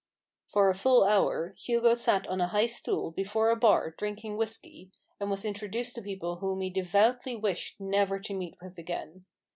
For a full hour, Hugo sat on a high stool, before a bar, drinking whisky; and was introduced to people whom he devoutly wished never to meet with again.